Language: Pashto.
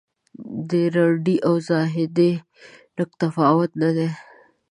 د رندۍ او زاهدۍ لږ تفاوت نه دی.